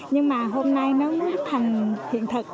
nhưng mà hôm nay nó mới thành hiện thật